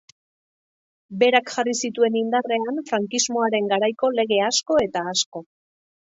Berak jarri zituen indarrean frankismoaren garaiko lege asko eta asko.